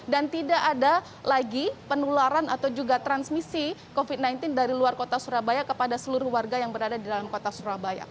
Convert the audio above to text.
dan tidak ada lagi penularan atau juga transmisi covid sembilan belas dari luar kota surabaya kepada seluruh warga yang berada di dalam kota surabaya